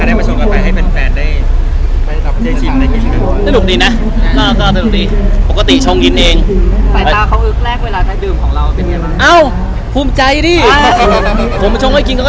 เอาไหนบ้างคะได้มาชงกับใครให้เป็นแฟนได้ชิมน้อยกินของเขา